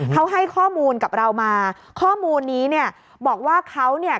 เขาให้ข้อมูลกับเรามาข้อมูลนี้เนี่ยบอกว่าเขาเนี่ย